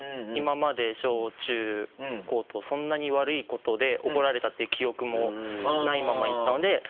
今まで小中高とそんなに悪いことで怒られたって記憶もないままいったので。